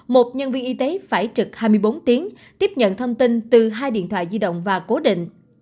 một nhân viên y tế phải trực hai mươi bốn tiếng tiếp nhận thông tin từ hai điện thoại di động và cố định